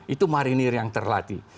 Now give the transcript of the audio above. itu marinir yang terlatih